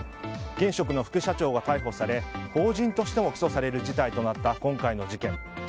現職の副社長が逮捕され法人としても起訴される事態となった今回の事件。